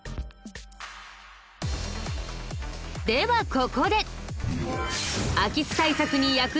ではここで。